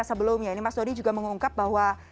baca sebelumnya ini mas dodi juga mengungkap bahwa